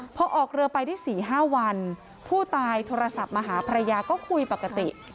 พอออกเรือไปได้๔๕วันผู้ตายโทรศัพท์มาหาภรรยาก็คุยปกติ